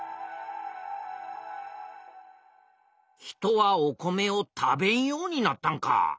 人はお米を食べんようになったんか。